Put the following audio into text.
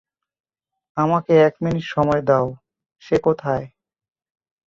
আমাকে এক মিনিট সময় দাও সে কোথায়?